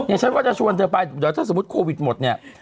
อย่างนี้ฉันว่าจะชวนเธอไปแต่ถ้าเดี๋ยวโควิดหมดเนี่ย